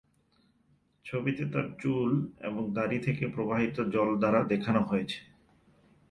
ছবিতে তাঁর চুল এবং দাড়ি থেকে প্রবাহিত জল ধারা দেখানো হয়েছে।